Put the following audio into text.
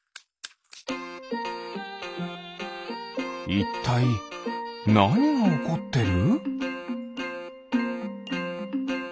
いったいなにがおこってる？